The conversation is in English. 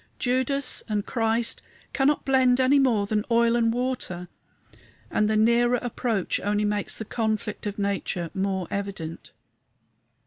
Judas and Christ cannot blend any more than oil and water, and the nearer approach only makes the conflict of nature more evident.